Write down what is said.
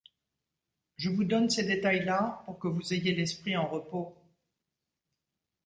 Je vous donne ces détails-là pour que vous ayez l’esprit en repos.